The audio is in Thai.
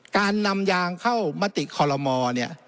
การนำยางเข้ามติคอลโลมอเนี่ย